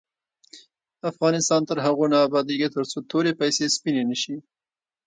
افغانستان تر هغو نه ابادیږي، ترڅو توري پیسې سپینې نشي.